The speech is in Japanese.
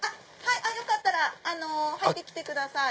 よかったら入ってきてください。